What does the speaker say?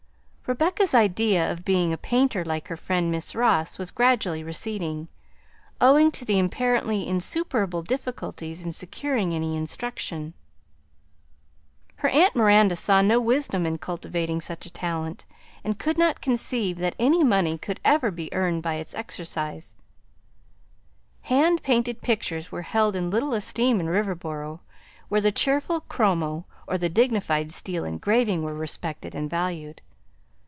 Rebecca's idea of being a painter like her friend Miss Ross was gradually receding, owing to the apparently insuperable difficulties in securing any instruction. Her aunt Miranda saw no wisdom in cultivating such a talent, and could not conceive that any money could ever be earned by its exercise, "Hand painted pictures" were held in little esteem in Riverboro, where the cheerful chromo or the dignified steel engraving were respected and valued.